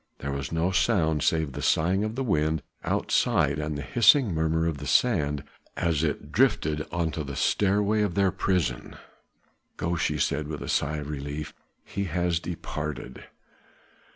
There was no sound save the sighing of the wind outside and the hissing murmur of the sand as it drifted onto the stairway of their prison. "Go," she said with a sigh of relief, "he has departed."